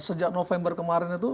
sejak november kemarin itu